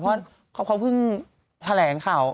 เพราะเขาเพิ่งแถลงข่าว